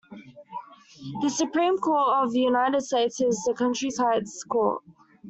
The Supreme Court of the United States is the country's highest court.